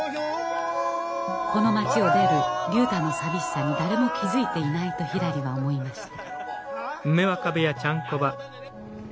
この町を出る竜太の寂しさに誰も気付いていないとひらりは思いました。